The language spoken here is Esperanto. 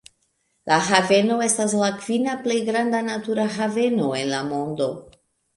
La haveno estas la kvina plej granda natura haveno en la mondo.